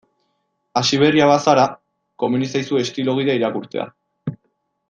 Hasiberria bazara, komeni zaizu estilo gida irakurtzea.